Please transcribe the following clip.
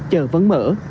chờ vẫn mở